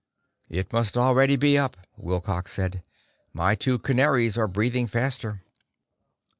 "It must already be up," Wilcox said. "My two canaries are breathing faster."